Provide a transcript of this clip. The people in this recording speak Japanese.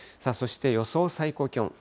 そして、予想最高気温。